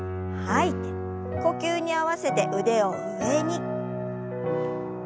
呼吸に合わせて腕を上に。